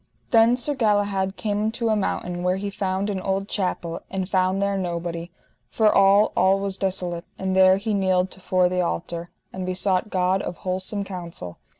Then Sir Galahad came unto a mountain where he found an old chapel, and found there nobody, for all, all was desolate; and there he kneeled to fore the altar, and besought God of wholesome counsel.